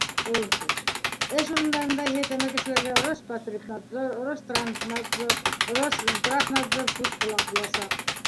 Эш урындарында иһә тәмәкеселәргә «Роспотребнадзор», «Ространснадзор», «Росздравнадзор» күҙ-ҡолаҡ буласаҡ.